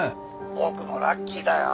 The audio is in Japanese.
僕もラッキーだよ。